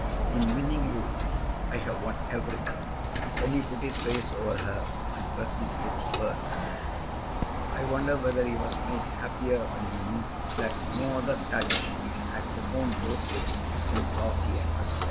"In winning you I have won everything." Then he put his face over her and pressed his lips to hers. I wonder whether he was made happier when he knew that no other touch had profaned those lips since last he had pressed them?